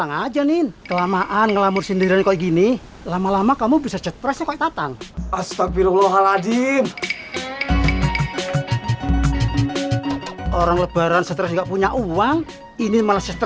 kita jadi terbiasa bangun subuh